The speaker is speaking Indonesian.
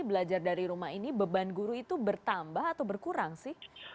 belajar dari rumah ini beban guru itu bertambah atau berkurang sih